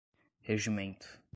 regimento